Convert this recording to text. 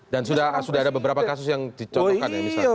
dan sudah ada beberapa kasus yang dicontohkan ya misalnya